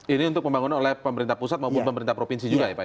ini untuk pembangunan oleh pemerintah pusat maupun pemerintah provinsi juga ya pak ya